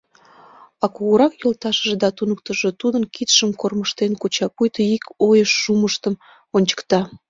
А кугурак йолташыже да туныктышыжо тудын кидшым кормыжтен куча, пуйто ик ойыш шумыштым ончыкта.